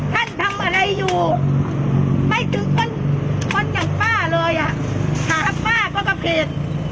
ท่านทำอะไรอยู่ไม่ถึงคนคนอย่างป้าเลยอ่ะแล้วป้าก็กระเพลก